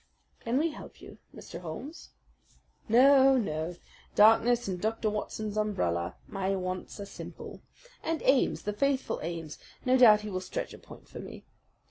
"Can we help you, Mr. Holmes?" "No, no! Darkness and Dr. Watson's umbrella my wants are simple. And Ames, the faithful Ames, no doubt he will stretch a point for me.